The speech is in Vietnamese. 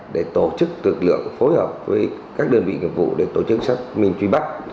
để tổ chức tượng lượng phối hợp với các đơn vị nghiệp vụ để tổ chức xác minh truy bắt